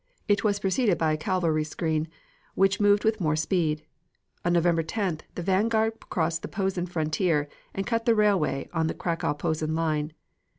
It was preceded by a cavalry screen which moved with more speed. On November 10th, the vanguard crossed the Posen frontier and cut the railway on the Cracow Posen line.